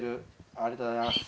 ありがとうございます。